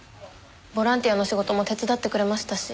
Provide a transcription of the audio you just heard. ボランティアの仕事も手伝ってくれましたし。